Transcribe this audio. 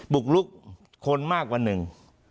บุกลุกคนมากกว่าหนึ่ง